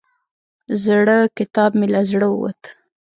زړه کتاب مې له زړه ووت.